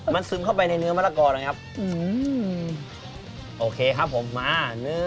มันซึมเข้าไปในเนื้อมะละกอนะครับโอเคครับผมมาเนื้อ